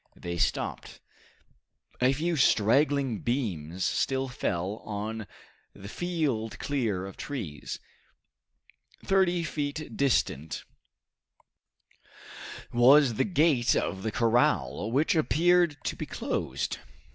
They stopped. A few straggling beams still fell on the field clear of trees. Thirty feet distant was the gate of the corral, which appeared to be closed.